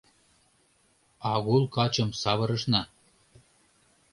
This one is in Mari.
Агул качым савырышна.